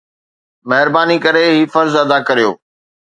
مهرباني ڪري هي فرض ادا ڪريو.